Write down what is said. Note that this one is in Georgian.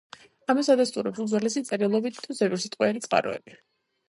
ამას ადასტურებს უძველესი წერილობითი თუ ზეპირსიტყვიერი წყაროები.